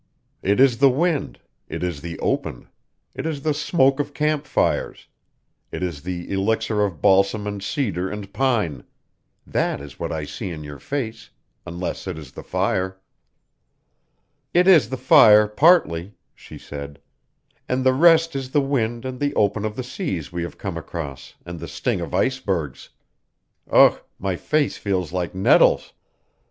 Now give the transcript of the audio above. "It is the wind; it is the open; it is the smoke of camp fires; it is the elixir of balsam and cedar and pine. That is what I see in your face unless it is the fire." "It is the fire, partly," she said. "And the rest is the wind and the open of the seas we have come across, and the sting of icebergs. Ugh: my face feels like nettles!"